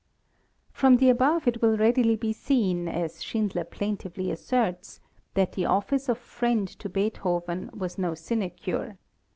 From the above it will readily be seen, as Schindler plaintively asserts, that the office of friend to Beethoven was no sinecure.